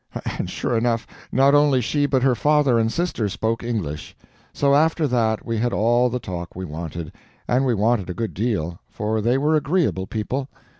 And sure enough, not only she but her father and sister spoke English. So after that we had all the talk we wanted; and we wanted a good deal, for they were agreeable people.